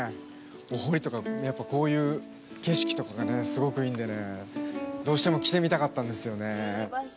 お堀とか、こういう景色とかがすごくいいんでねどうしても来てみたかったんですよね。